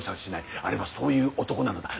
あれはそういう男なのだ。